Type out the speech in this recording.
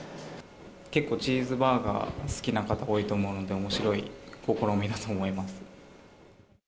結構チーズバーガー、好きな方多いと思うので、おもしろい試みだと思います。